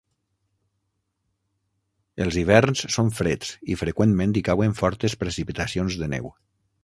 Els hiverns són freds i freqüentment hi cauen fortes precipitacions de neu.